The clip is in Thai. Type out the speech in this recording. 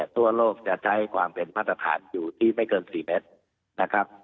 ตัวโลกจะใช้ความเป็นมัตตาฐานอยู่ที่ไม่เกิน๔เมตร